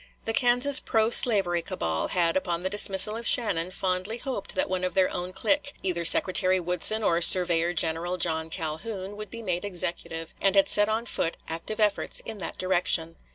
The Kansas pro slavery cabal had upon the dismissal of Shannon fondly hoped that one of their own clique, either Secretary Woodson or Surveyor General John Calhoun, would be made executive, and had set on foot active efforts in that direction.